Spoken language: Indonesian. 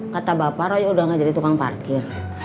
kata bapak roy udah gak jadi tukang parkir